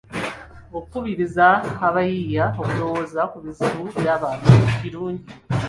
Okukubiriza abayiiyia okulowooza ku bizibu by'abantu kirungi.